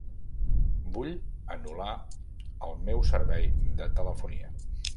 Vull anul·lar el meu servei de telefonia.